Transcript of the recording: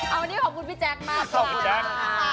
เอาอันนี้ขอบคุณพี่แจ๊กมากค่ะขอบคุณพี่แจ๊ก